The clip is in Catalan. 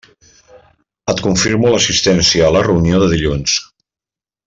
Et confirmo l'assistència a la reunió de dilluns.